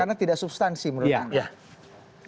karena tidak substansi menurutmu